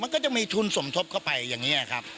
มันก็จะมีทุนสมทบเข้าไปอย่างนี้นะครับ